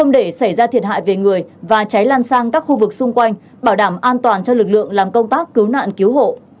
để xảy ra thiệt hại về người và cháy lan sang các khu vực xung quanh bảo đảm an toàn cho lực lượng làm công tác cứu nạn cứu hộ